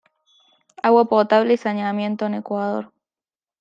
Agua potable y saneamiento en Ecuador